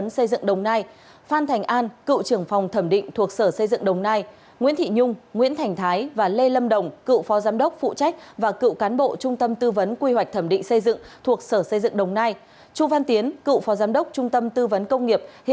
xin chào các bạn